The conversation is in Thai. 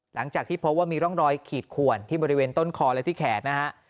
หลังจากที่พบว่ามีร่องรอยขีดขวนที่บริเวณต้นคอและที่แขนนะฮะ